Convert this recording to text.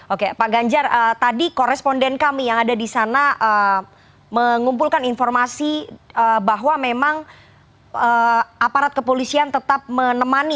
oke pak ganjar tadi koresponden kami yang ada di sana mengumpulkan informasi bahwa memang aparat kepolisian tetap menemani